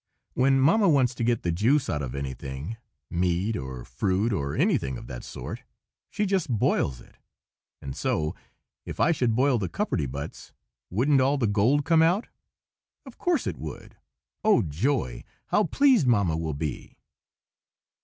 When Mamma wants to get the juice out of anything, meat, or fruit, or anything of that sort, she just boils it. And so, if I should boil the cupperty buts, wouldn't all the gold come out? Of course it would! Oh, joy! how pleased Mamma will be!"